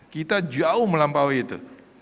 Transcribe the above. kita jauh melampaui itu